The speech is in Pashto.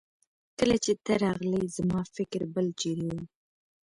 کله چې ته راغلې زما فکر بل چيرې وه.